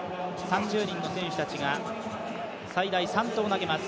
３０人の選手たちが、最大３投投げます。